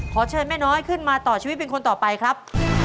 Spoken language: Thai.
ขอเชิญแม่น้อยขึ้นมาต่อชีวิตเป็นคนต่อไปครับ